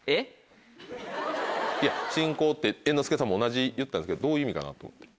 「しんこう」って猿之助さんも同じ言ったんですけどどういう意味かなと思って。